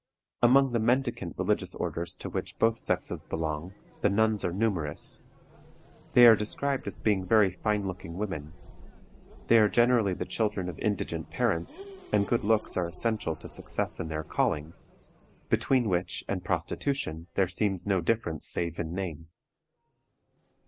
Among the mendicant religious orders to which both sexes belong, the nuns are numerous. They are described as being very fine looking women. They are generally the children of indigent parents, and good looks are essential to success in their calling, between which and prostitution there seems no difference save in name.